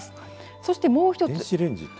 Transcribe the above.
そしてもう一つ。